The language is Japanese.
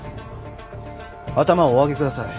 頭をお上げください。